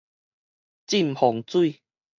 浸磺水